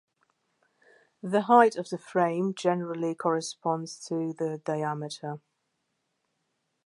The height of the frame generally corresponds to the diameter.